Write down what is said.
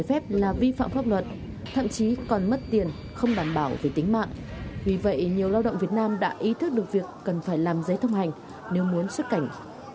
phép là vi phạm pháp luật thậm chí còn mất tiền không đảm bảo về tính mạng vì vậy nhiều lao động việt nam đã ý thức được việc cần phải làm giấy thông hành nếu muốn xuất cảnh